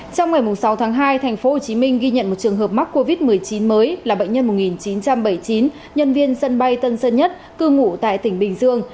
trong ngày sáu tháng hai tp hcm ghi nhận một trường hợp mắc covid một mươi chín mới là bệnh nhân một nghìn chín trăm bảy mươi chín nhân viên sân bay tân sơn nhất cư ngụ tại tỉnh bình dương